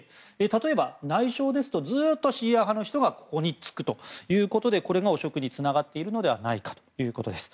例えば、内相ですとずっとシーア派の人が就くということでこれが汚職につながっているのではないかということです。